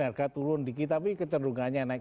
harga turun dikit tapi kecenderungannya naik